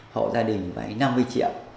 hộ gia đình năm mươi triệu